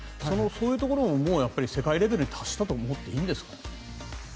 そういうところも世界レベルに達したと思っていいんですか？